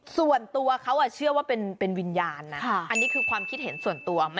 ส่วนตัวเขาเชื่อว่าเป็นวิญญาณนะอันนี้คือความคิดเห็นส่วนตัว